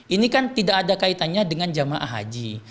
ini kan tidak ada kaitannya dengan jamaah haji